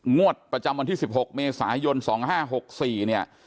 งวดประจำวันที่๑๖เมษายน๒๕๖๔เนี่ย